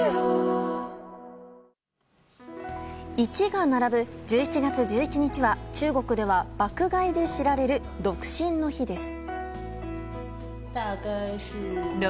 「１」が並ぶ１１月１１日は中国では爆買いで知られる独身の日です。